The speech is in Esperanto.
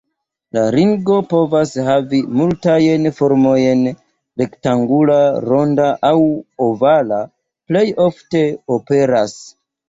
La ringo povas havi multajn formojn, rektangula, ronda aŭ ovala plej ofte aperas.